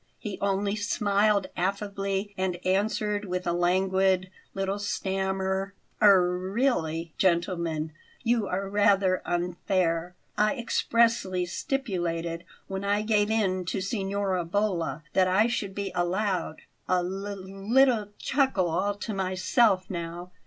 He only smiled affably and answered with a languid little stammer: "R really, gentlemen, you are rather unfair. I expressly stipulated, when I gave in to Signora Bolla, that I should be allowed a l l little chuckle all to myself now.